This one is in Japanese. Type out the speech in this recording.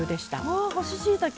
わあ干ししいたけ！